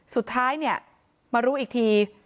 สุดท้ายเนี่ยมารู้อีกที